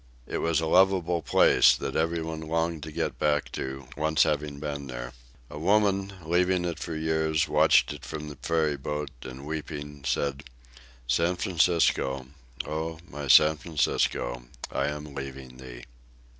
It was a lovable place that everybody longed to get back to, once having been there. A woman, leaving it for years, watched it from the ferryboat, and, weeping, said, "San Francisco, oh, my San Francisco, I am leaving thee."